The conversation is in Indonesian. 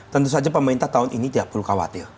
tentu saja pemerintah tahun ini tidak perlu khawatir